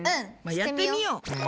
やってみよう。